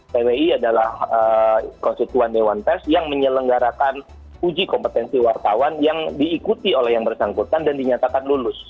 pwi adalah konstituan dewan pers yang menyelenggarakan uji kompetensi wartawan yang diikuti oleh yang bersangkutan dan dinyatakan lulus